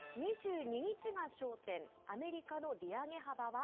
２２日が焦点、アメリカの利上げ幅は？